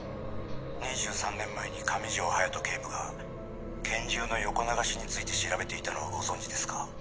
２３年前に上條勇仁警部が拳銃の横流しについて調べていたのはご存じですか？」